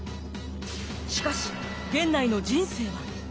しかし源内の人生は。